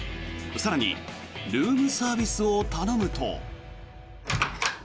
更にルームサービスを頼むと。